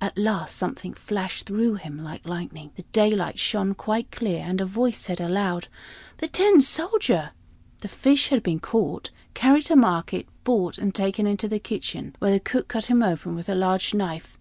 At last something flashed through him like lightning. The daylight shone quite clear, and a voice said aloud, "The Tin Soldier!" The fish had been caught, carried to market, bought, and taken into the kitchen, where the cook cut him open with a large knife.